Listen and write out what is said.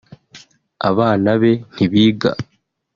abana be ntibiga